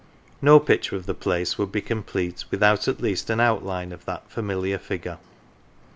No picture of the place would be complete without at least an outline of that familiar figure.